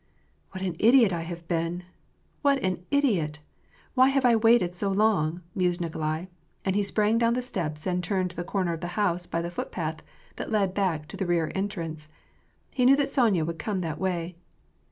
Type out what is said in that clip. "What an idiot I have been ! what an idiot ! Why have I waited so long ?" mused Nikolai, and he sprang down the steps and turned the corner of the house by the footpath that led back to the rear entrance. He knew that Sonya would come that way.